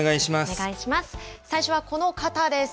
最初はこの方です。